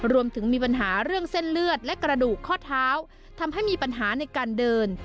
มีปัญหาเรื่องเส้นเลือดและกระดูกข้อเท้าทำให้มีปัญหาในการเดิน